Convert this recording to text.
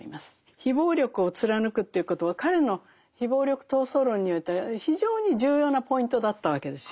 非暴力を貫くということは彼の非暴力闘争論においては非常に重要なポイントだったわけですよ。